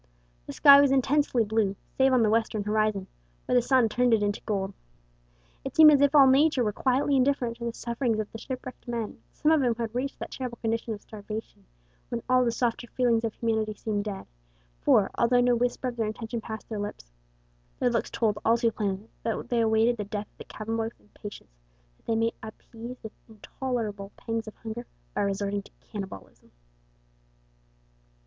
The sky was intensely blue, save on the western horizon, where the sun turned it into gold. It seemed as if all Nature were quietly indifferent to the sufferings of the shipwrecked men, some of whom had reached that terrible condition of starvation when all the softer feelings of humanity seem dead, for, although no whisper of their intention passed their lips, their looks told all too plainly that they awaited the death of the cabin boy with impatience, that they might appease the intolerable pangs of hunger by resorting to cannibalism.